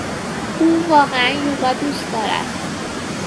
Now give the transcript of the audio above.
او واقعا یوگا دوست دارد.